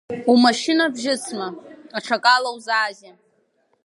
Умашьына бжьысыма, аҽакала узаазеи?